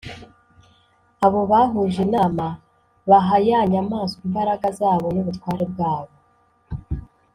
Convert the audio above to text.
Abo bahuje inama, baha ya nyamaswa imbaraga zabo n’ubutware bwabo.